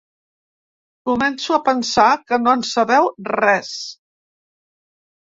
Començo a pensar que no en sabeu res.